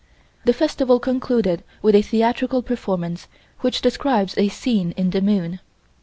The festival concluded with a theatrical performance which describes a scene in the moon.